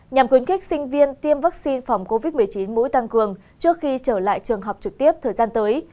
nhằm khuyến khích sinh viên tiêm vaccine phòng covid một mươi chín mũi tăng cường trước khi trở lại trường học trực tiếp thời gian tới